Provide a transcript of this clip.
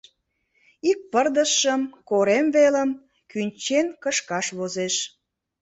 Ик пырдыжшым, корем велым, кӱнчен кышкаш возеш.